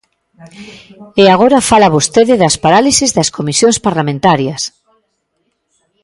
¡E agora fala vostede das parálises das comisións parlamentarias!